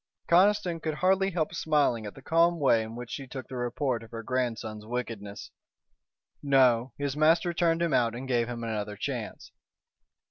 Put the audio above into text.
Conniston could hardly help smiling at the calm way in which she took the report of her grandson's wickedness. "No, his master turned him out and gave him another chance."